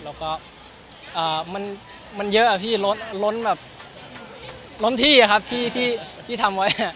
แล้วก็มันเยอะอะพี่รถล้นแบบล้นที่ครับที่ทำไว้